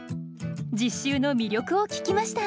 実習の魅力を聞きました。